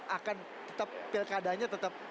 akan tetap pilkadanya tetap